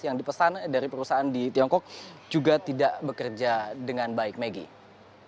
yang dipesan dari perusahaan di tiongkok juga tidak bekerja dengan baik maggie